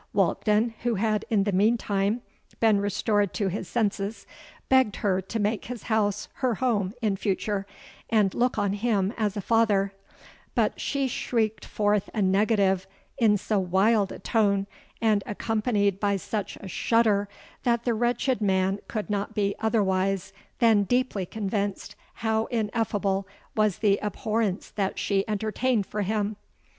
Walkden, who had in the meantime been restored to his senses, begged her to make his house her home in future, and look on him as a father;—but she shrieked forth a negative in so wild a tone and accompanied by such a shudder, that the wretched man could not be otherwise than deeply convinced how ineffable was the abhorrence that she entertained for him.